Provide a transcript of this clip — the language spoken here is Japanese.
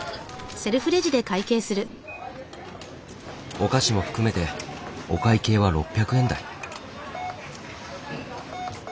お菓子も含めてお会計は６００円台。